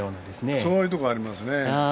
そういうところがありますね。